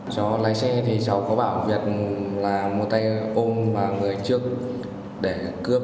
cháu lái xe thì cháu có bảo việt là một tay ôm vào người trước để cướp